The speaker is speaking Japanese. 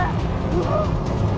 うわっ！